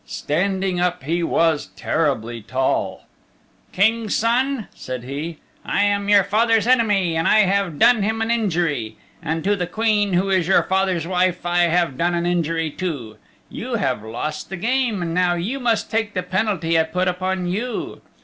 Standing up he was terribly tall. "King's Son," said he, "I am your father's enemy and I have done him an injury. And to the Queen who is your father's wife I have done an injury too. You have lost the game and now you must take the penalty I put upon you.